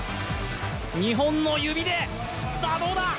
２本の指で、さあどうだ！